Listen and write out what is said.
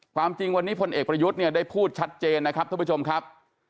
ความจริงวันนี้พลเอกประยุทธ์เนี่ยได้พูดชัดเจนนะครับท่านผู้ชมครับ